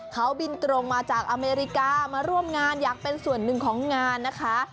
เขาบินตรงมาจากอเมริกามาร่วมงานอยากเป็นส่วนหนึ่งของงานนะคะ